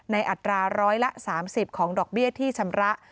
ในอัตราร้อยละ๓๐ของดอกเบี้ยที่ชำระ